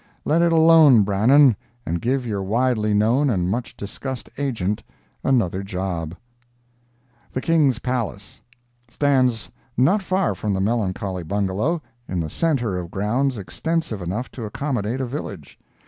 Let it alone, Brannan, and give your widely known and much discussed agent another job. THE KING'S PALACE Stands not far from the melancholy Bungalow, in the center of grounds extensive enough to accommodate a village.